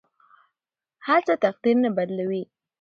هڅه تقدیر نه بدلوي.